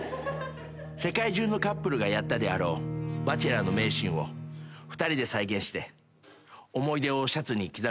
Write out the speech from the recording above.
世界中のカップルがやったであろう『バチェラー』の名シーンを２人で再現して思い出をシャツに刻みたいと思います。